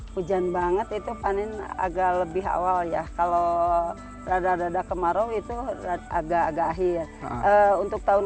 hujan banget itu panen agak lebih awal ya kalau rada rada kemarau itu agak agak akhir untuk tahun